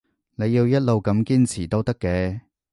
你要一路咁堅持都得嘅